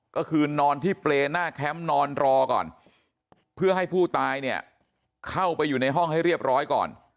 ก็คือนอนที่เปรย์หน้าแคมป์นอนรอก่อนเพื่อให้ผู้ตายเนี่ยเข้าไปอยู่ในห้องให้เรียบร้อยก่อน